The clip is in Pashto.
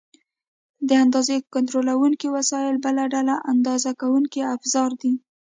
د اندازې کنټرولونکي وسایل بله ډله اندازه کوونکي افزار دي.